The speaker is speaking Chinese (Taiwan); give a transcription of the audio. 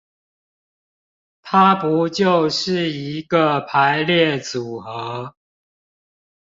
它不就是一個排列組合